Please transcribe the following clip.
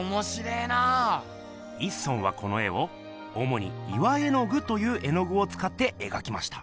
一村はこの絵をおもに「岩絵具」という絵のぐをつかってえがきました。